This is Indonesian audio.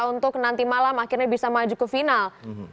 untuk nanti malam akhirnya bisa maju ke final